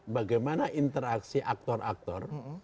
bagaimana interaksi aktor aktor